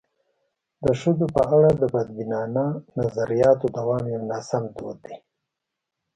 د ښځو په اړه د بدبینانه نظریاتو دوام یو ناسم دود دی.